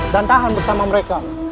dan tahan bersama mereka